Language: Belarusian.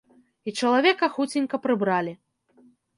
І чалавека хуценька прыбралі.